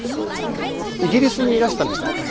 イギリスにいらしたんでしたっけ？